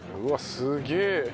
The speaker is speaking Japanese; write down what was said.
すげえ。